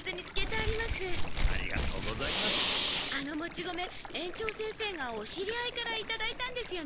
あのもち米園長先生がお知り合いからいただいたんですよね？